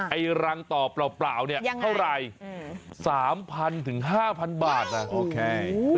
ไอ้รังต่อเปล่าเนี่ยเท่าไหร่๓๐๐ถึง๕๐๐บาทนะโอเค